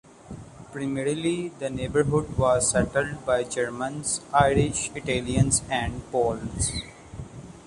Primarily, the neighborhood was settled by Germans, Irish, Italians and Poles.